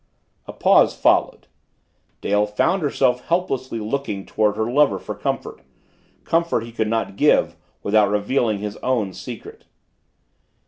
A pause followed. Dale found herself helplessly looking toward her lover for comfort comfort he could not give without revealing his own secret.